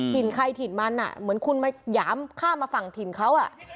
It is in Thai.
ใครถิ่นมันเหมือนคุณมาหยามข้ามมาฝั่งถิ่นเขา